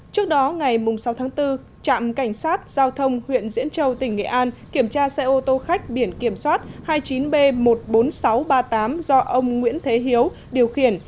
trước đó ngày sáu tháng bốn trạm cảnh sát giao thông huyện diễn châu tỉnh nghệ an kiểm tra xe ô tô khách biển kiểm soát hai mươi chín b một mươi bốn nghìn sáu trăm ba mươi tám do ông nguyễn thế hiếu điều khiển